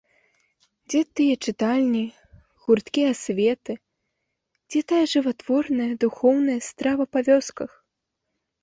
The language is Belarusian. Дзе тыя чытальні, гурткі асветы, дзе тая жыватворная духоўная страва па вёсках?